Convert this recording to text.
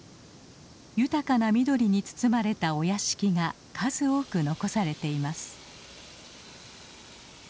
豊かな緑に包まれたお屋敷が数多く残されています。